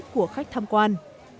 của khách tham quan